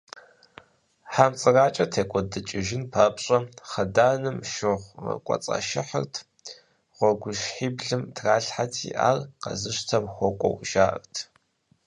Хьэмцӏыракӏэр текӏуэдыкӏыжын папщӏэ, хъыданым шыгъу кӏуэцӏашыхьырт, гъуэгущхьиблым тралъхьэрти, ар къэзыщтэм хуэкӏуэу жаӏэрт.